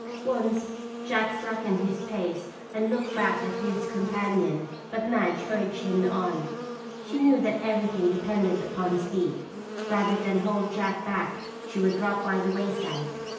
Once Jack slackened his pace and looked back at his companion but Madge urged him on. She knew that everything depended upon speed. Rather than hold Jack back she would drop by the wayside.